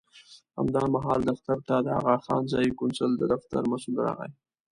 همدا مهال دفتر ته د اغاخان ځایي کونسل د دفتر مسوول راغی.